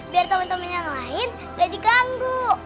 sama temen temen yang lain gak diganggu